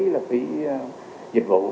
là phí dịch vụ